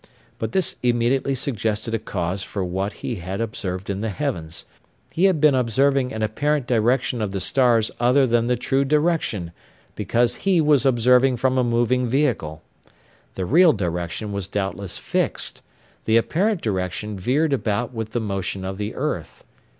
But this immediately suggested a cause for what he had observed in the heavens. He had been observing an apparent direction of the stars other than the true direction, because he was observing from a moving vehicle. The real direction was doubtless fixed: the apparent direction veered about with the motion of the earth.